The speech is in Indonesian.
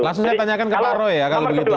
langsung saya tanyakan ke pak roy ya kalau begitu